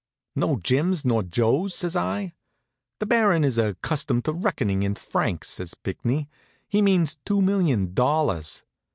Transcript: "No Jims nor Joes?" says I. "The Baron is accustomed to reckoning in francs," says Pinckney. "He means two million dollars."